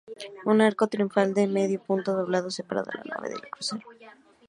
Un arco triunfal, de medio punto, doblado, separa la nave del crucero.